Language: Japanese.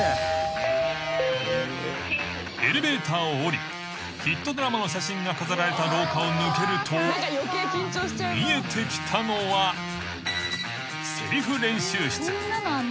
［エレベーターを降りヒットドラマの写真が飾られた廊下を抜けると見えてきたのはせりふ練習室］